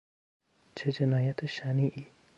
چه جنایت شنیعی!